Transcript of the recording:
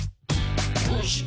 「どうして？